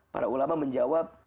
para ulama menjawab